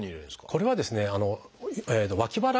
これはですね脇腹。